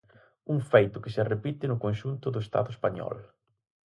Un feito que se repite no conxunto do Estado español.